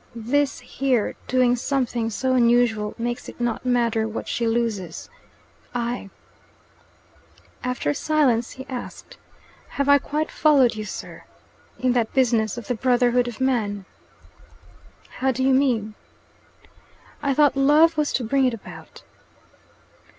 "This here, doing something so unusual, makes it not matter what she loses I " After a silence he asked, "Have I quite followed you, sir, in that business of the brotherhood of man?" "How do you mean?" "I thought love was to bring it about."